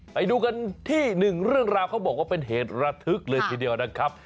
ไปดูกันที่หนึ่งเรื่องราวเขาบอกว่าเป็นเหตุระทึกเลยทีเดียวนะครับ